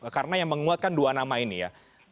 karena yang menguatkan dua nama ini ya